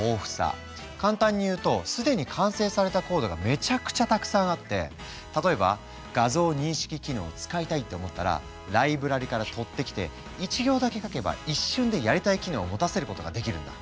簡単に言うと既に完成されたコードがめちゃくちゃたくさんあって例えば画像認識機能を使いたいって思ったらライブラリから取ってきて１行だけ書けば一瞬でやりたい機能を持たせることができるんだ。